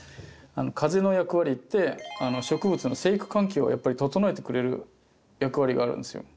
風の役割って植物の生育環境をやっぱり整えてくれる役割があるんですよ。